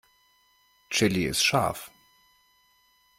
Chili ist scharf.